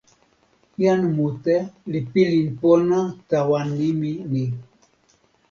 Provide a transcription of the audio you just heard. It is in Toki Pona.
jan mute li pilin pona tawa nimi ni.